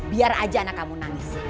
biar aja anak kamu nangis